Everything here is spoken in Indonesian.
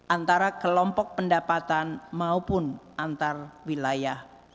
antara kelompok pendapatan maupun antarwilayah